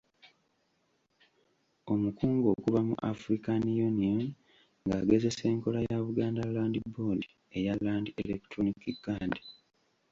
Omukungu okuva mu African Union ng’agezesa enkola ya Buganda Land Board eya Land Electronic Card.